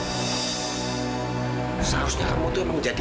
seharusnya kamu tuh memang menjadi anaknya penjahat taji